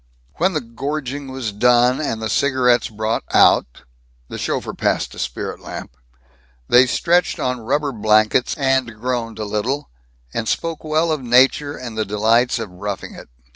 When the gorging was done and the cigarettes brought out (the chauffeur passed a spirit lamp), they stretched on rubber blankets, and groaned a little, and spoke well of nature and the delights of roughing it.